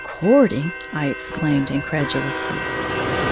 "Courting!" I exclaimed, incredulously.